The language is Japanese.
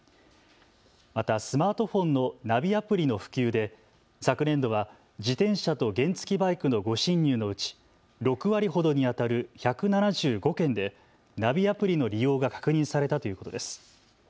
またスマートフォンのナビアプリの普及で昨年度は自転車と原付きバイクの誤進入のうち６割ほどにあたる１７５件でナビアプリの利用が確認されたということです。